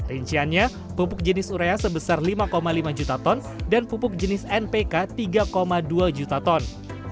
rinciannya pupuk jenis urea sebesar lima lima juta ton dan pupuk jenis npk tiga dua juta ton